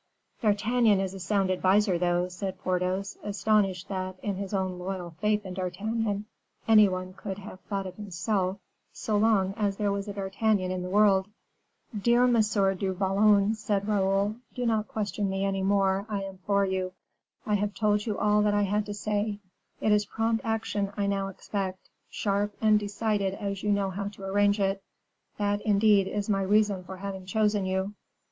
"D'Artagnan is a sound adviser, though," said Porthos, astonished that, in his own loyal faith in D'Artagnan, any one could have thought of himself, so long as there was a D'Artagnan in the world. "Dear M. du Vallon," said Raoul, "do not question me any more, I implore you. I have told you all that I had to say; it is prompt action I now expect, sharp and decided as you know how to arrange it. That, indeed, is my reason for having chosen you."